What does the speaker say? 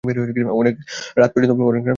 অনেক রাত পর্যন্ত সে পড়বে।